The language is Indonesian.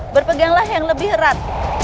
berpeganglah yang lebih herat